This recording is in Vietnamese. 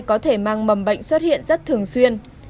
có thể mang mầm bệnh xuất hiện rất thường xuyên